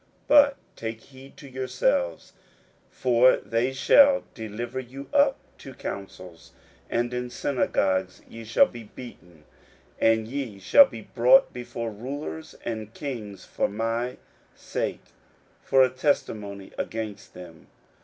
41:013:009 But take heed to yourselves: for they shall deliver you up to councils; and in the synagogues ye shall be beaten: and ye shall be brought before rulers and kings for my sake, for a testimony against them.